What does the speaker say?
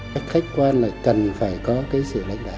cách khách quan là cần phải có cái sự lãnh đạo